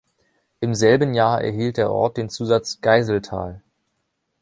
Im selben Jahr erhielt der Ort den Zusatz „Geiseltal“.